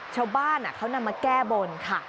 ชาวบ้านเขานำมาแก้บนค่ะ